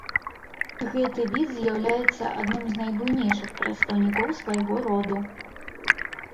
Гэты від з'яўляецца адным з найбуйнейшых прадстаўнікоў свайго роду.